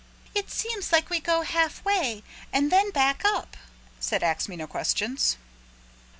"It seems like we go half way and then back up," said Ax Me No Questions.